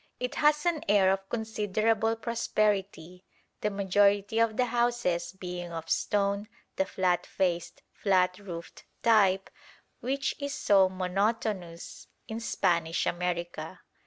It has an air of considerable prosperity, the majority of the houses being of stone, the flat faced, flat roofed type which is so monotonous in Spanish America.